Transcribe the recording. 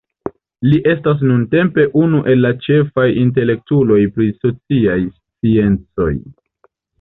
Li estas nuntempe unu el la ĉefaj intelektuloj pri sociaj sciencoj.